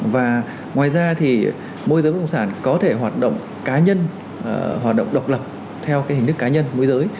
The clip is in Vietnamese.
và ngoài ra thì môi giới bất động sản có thể hoạt động cá nhân hoạt động độc lập theo hình thức cá nhân môi giới